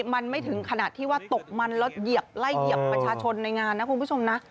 มันไม่ถึงขนาดที่ว่าตกมันแล้วเหยียบไล่เหยียบประชาชนในงานนะคุณผู้ชมนะ